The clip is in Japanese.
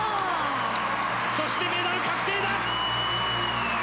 そしてメダル確定だ！